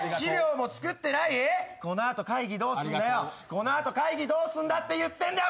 この後会議どうすんだって言ってんだよ。